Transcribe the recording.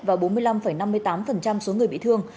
và bốn mươi năm năm mươi tám số người bị thương